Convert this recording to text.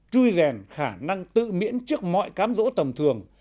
chui rèn khả năng tự miễn trước mọi cám dỗ tầm thường